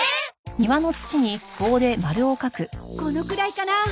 このくらいかな。